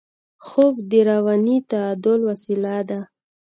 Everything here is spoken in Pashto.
خوب د رواني تعادل وسیله ده